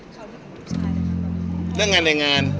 ความสุดหน้าของเขาเรื่องของผู้ชายนะครับ